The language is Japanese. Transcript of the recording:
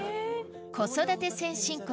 子育て先進国